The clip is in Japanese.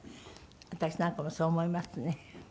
私なんかもそう思いますね。